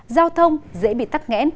giao thông dễ bị tắt nghẽ